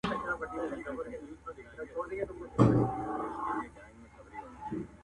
نا امیده له قاضي له حکومته٫